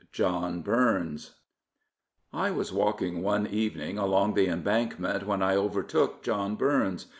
m JOHN BURNS I WAS walking one evening along the Embankment when I overtook John Burns.